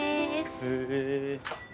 へえ。